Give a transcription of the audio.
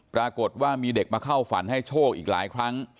ปรากฏว่ามีเด็กมาเข้าฝันให้โชคอีกหลายครั้ง